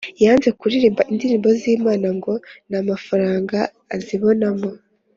yanze kuririmba indirimbo z’Imana ngo ntamafaranga azibamo